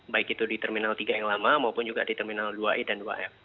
baik itu di terminal tiga yang lama maupun juga di terminal dua e dan dua f